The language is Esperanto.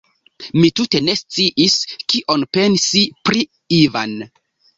Mi tute ne sciis, kion pensi pri Ivan.